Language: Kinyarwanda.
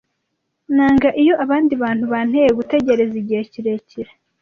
Nanga iyo abandi bantu banteye gutegereza igihe kirekire.